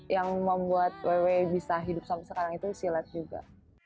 yang membuat wewe bisa hidup sampai sekarang itu silat juga